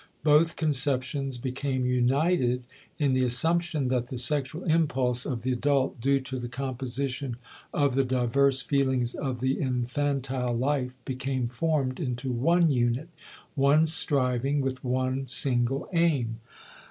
Both conceptions became united in the assumption that the sexual impulse of the adult due to the composition of the diverse feelings of the infantile life became formed into one unit, one striving, with one single aim.